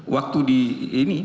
waktu di ini